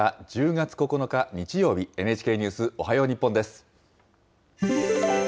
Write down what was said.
１０月９日日曜日、ＮＨＫニュースおはよう日本です。